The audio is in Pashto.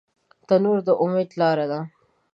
تنور د امید لاره ده